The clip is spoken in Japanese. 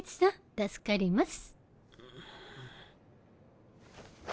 助かります。